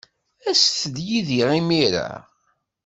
Aset-d yid-i imir-a.